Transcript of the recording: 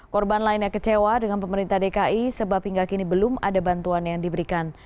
korban lainnya kecewa dengan pemerintah dki sebab hingga kini belum ada bantuan yang diberikan